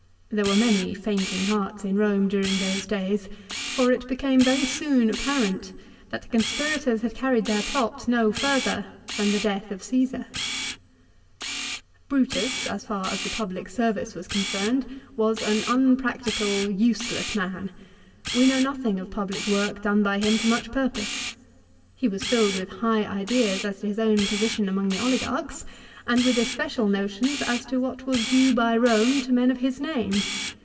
There were many faint ing hearts in Borne during those days, for it became very soon apparent that the conspirators had carried their plot no further than the death of Caesar. CAESARS DEATH. 215 Brutus, as far as the public service was concerned, was an unpractical useless man. We know nothing of public work done by him to much purpose. He was filled with high ideas as to his own position among the oligarchs, and with especial notions as to what was due by Borne to men of his name.